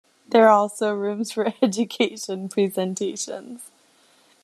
There are also rooms for education presentations.